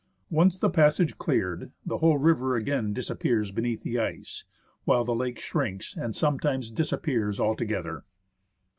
Once the passage cleared, the whole river again disappears beneath the ice ; while the lake shrinks and sometimes disappears altogether.